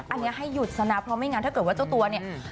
อันนี้ให้หยุดซะนะเพราะไม่งั้นถ้าเกิดว่าเจ้าตัวเนี่ย